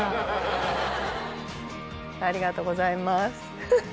ありがとうございますハハハ。